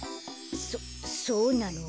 そそうなの？